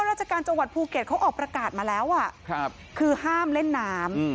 ราชการจังหวัดภูเก็ตเขาออกประกาศมาแล้วคือห้ามเล่นน้ำ